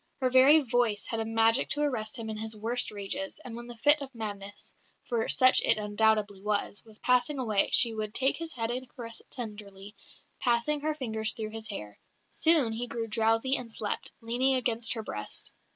Her very voice had a magic to arrest him in his worst rages, and when the fit of madness (for such it undoubtedly was) was passing away she would "take his head and caress it tenderly, passing her fingers through his hair. Soon he grew drowsy and slept, leaning against her breast.